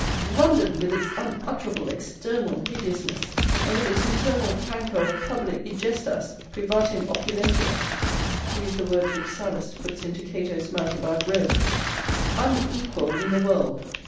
London, with its unutterable external hideousness, and with its internal canker of public egestas, privatim opulentia,+ to use the words which Sallust puts into Cato's mouth about Rome, unequalled in the world!